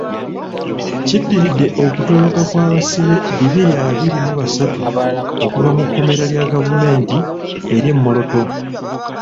Kiddiridde okutoloka kw'abasibe bibiri abiri mu basatu okuva mu kkomera lya gavumenti ery'e Moroto.